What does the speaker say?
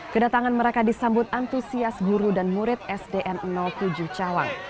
kedatangan mereka disambut antusias guru dan murid sdn tujuh cawang